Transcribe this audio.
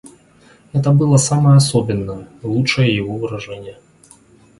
Это было самое особенное, лучшее его выражение.